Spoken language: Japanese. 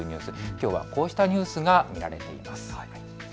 きょうはこうしたニュースが見られています。